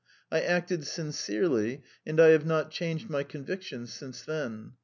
I acted sincerely, and I have not changed my convictions since then.